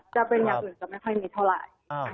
จะเป็นอย่างอื่นจะไม่ค่อยมีเท่าไหร่